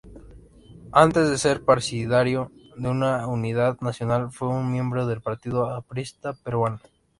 Antes de ser partidario de Unidad Nacional, fue un miembro del Partido Aprista Peruano.